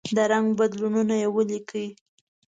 د رنګ بدلونونه یې ولیکئ.